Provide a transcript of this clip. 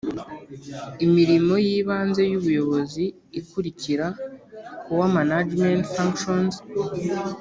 imirimo y ibanze y ubuyobozi ikurikira core management functions